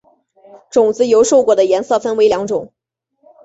种子由瘦果的颜色分成两种。